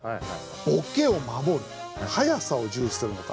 ボケを守る速さを重視するのか。